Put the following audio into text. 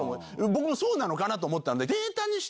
僕もそうなのかな？と思って。